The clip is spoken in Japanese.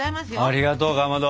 ありがとうかまど。